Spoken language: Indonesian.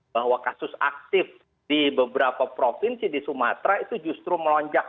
bahwa kasus aktif di beberapa provinsi di sumatera itu justru melonjak